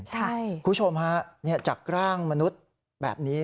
คุณผู้ชมฮะจากร่างมนุษย์แบบนี้